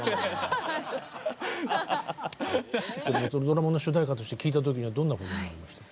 ドラマの主題歌として聴いた時にはどんなふうに思いました？